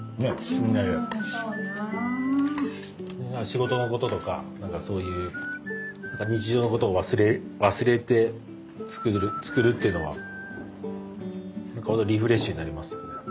仕事のこととかそういう日常のことを忘れて作るっていうのはほんとリフレッシュになりますよ。